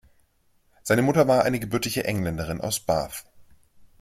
Seine Mutter war eine gebürtige Engländerin aus Bath.